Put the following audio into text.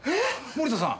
森田さん！